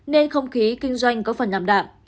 nên không khí kinh doanh có phần nằm đạm